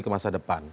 ke masa depan